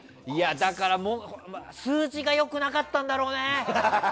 だから、数字が良くなかったんだろうね！